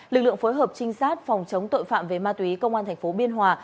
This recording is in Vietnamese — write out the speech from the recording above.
lực lượng phối hợp trinh sát phòng chống tội phạm về ma túy công an tp biên hòa